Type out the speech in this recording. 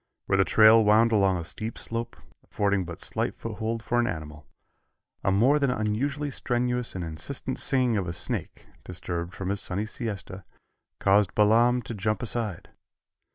Where the trail wound along a steep slope, affording but slight foothold for an animal, a more than unusually strenuous and insistent singing of a snake, disturbed from his sunny siesta, caused Balaam to jump aside.